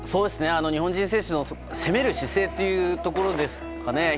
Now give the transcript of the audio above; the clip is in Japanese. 日本人選手の攻める姿勢というところですかね。